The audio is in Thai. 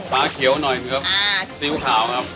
ฟ้าเขียวหน่อยครับซิ้วขาวครับ